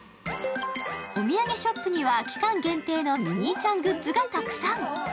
お土産ショップには期間限定のミニーちゃんグッズがたくさん。